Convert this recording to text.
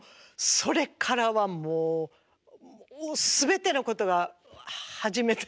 それからはもう全てのことが初めてのことで。